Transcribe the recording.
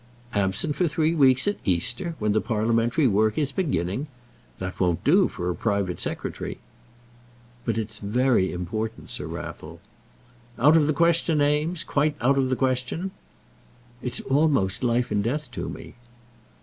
"Absent for three weeks at Easter, when the parliamentary work is beginning! That won't do for a private secretary." "But it's very important, Sir Raffle." "Out of the question, Eames; quite out of the question." "It's almost life and death to me."